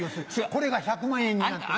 これが１００万円になって。